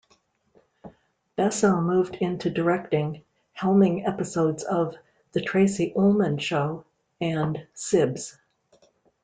Bessell moved into directing, helming episodes of "The Tracey Ullman Show" and "Sibs".